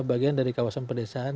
bagian dari kawasan pedesaan